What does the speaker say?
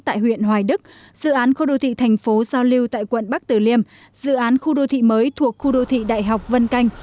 tại huyện hoài đức dự án khu đô thị thành phố giao lưu tại quận bắc tử liêm dự án khu đô thị mới thuộc khu đô thị đại học vân canh